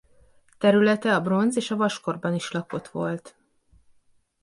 Területe a bronz- és a vaskorban is lakott volt.